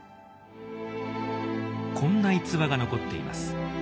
こんな逸話が残っています。